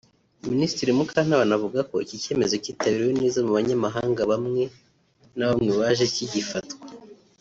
Minisitiri Mukantabana avuga ko iki cyemezo kitakiriwe neza mu banyamahanga bamwe na bamwe baje kigifatwa